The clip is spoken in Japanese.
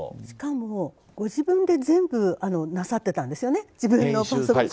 しかも、ご自分で全部なさってたんですよね。